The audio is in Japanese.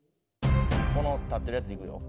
この立ってるやついくよ。